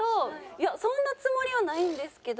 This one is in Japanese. いやそんなつもりはないんですけど。